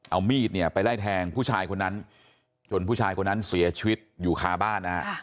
เอามีดเนี่ยไปไล่แทงผู้ชายคนนั้นจนผู้ชายคนนั้นเสียชีวิตอยู่คาบ้านนะฮะ